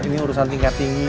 ini urusan tingkat tinggi